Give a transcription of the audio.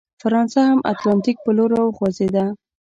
فرانسه هم اتلانتیک په لور راوخوځېده.